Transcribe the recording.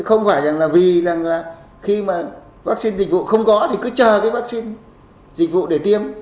không phải là vì khi mà vaccine dịch vụ không có thì cứ chờ cái vaccine dịch vụ để tiêm